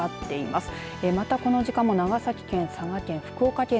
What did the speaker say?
またこの時間、長崎県、佐賀県